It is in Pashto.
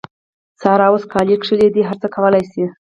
سارا اوس کالي کښلي دي؛ هر څه کولای سي.